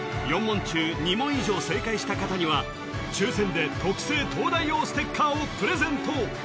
４問中２問以上正解した方には抽選で特製東大王ステッカーをプレゼント